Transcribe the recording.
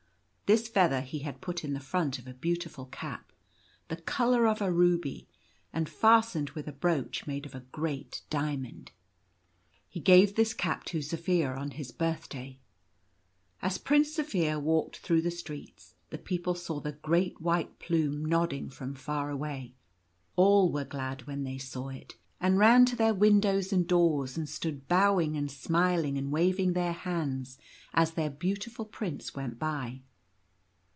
This feather he had put in the front of a beau tiful cap, the colour of a ruby, and fastened with a brooch made of a great diamond. He gave this cap to Zaphir on his birthday. As Prince Zaphir walked through the streets, the people saw the great white plume nodding from far away. All were glad when they saw it, and ran to their windows and doors and stood bowing and smiling and waving their hands as their beautiful prince went by.